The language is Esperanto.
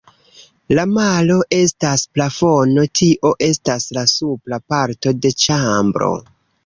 La malo estas plafono, tio estas la supra parto de ĉambro.